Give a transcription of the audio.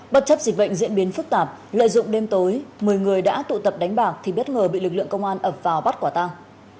bất chấp dịch bệnh diễn biến phức tạp lợi dụng đêm tối một mươi người đã tụ tập đánh bạc thì bất ngờ bị lực lượng công an ập vào bắt quả tang